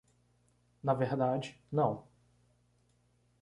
Na verdade, não.